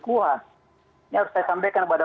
kuat ini harus saya sampaikan kepada